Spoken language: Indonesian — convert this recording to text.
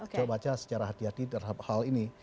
coba baca secara hati hati terhadap hal ini